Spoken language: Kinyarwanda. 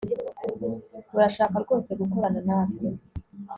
Urashaka rwose gukorana natwe